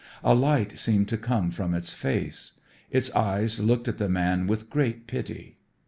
A light seemed to come from its face. Its eyes looked at the man with great pity.